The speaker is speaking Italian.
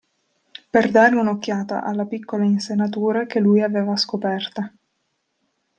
Per dare un'occhiata alla piccola insenatura che lui aveva scoperta.